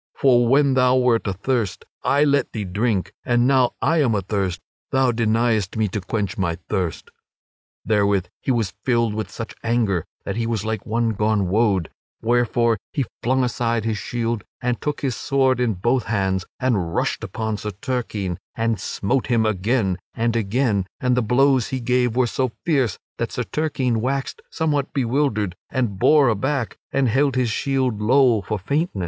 For when thou wert athirst, I let thee drink; and now that I am athirst, thou deniest me to quench my thirst." Therewith he was filled with such anger that he was like one gone wode; wherefore he flung aside his shield and took his sword in both hands and rushed upon Sir Turquine and smote him again and again; and the blows he gave were so fierce that Sir Turquine waxed somewhat bewildered and bore aback, and held his shield low for faintness.